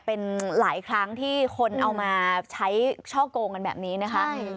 เป็นหลายครั้งที่คนเอามาใช้ช่อกงกันแบบนี้นะคะ